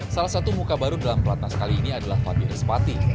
salah satu muka baru dalam pelatnas kali ini adalah fabies pati